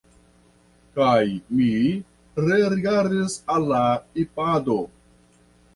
Kaj mi rerigardis al la Ipado.